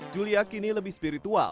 julia kini lebih spiritual